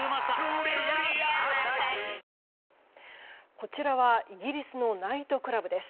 こちらはイギリスのナイトクラブです。